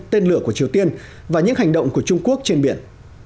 tên lửa của triều tiên và những hành động của trung quốc trên biển